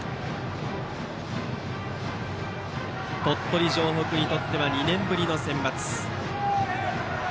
鳥取城北にとっては２年ぶりのセンバツ。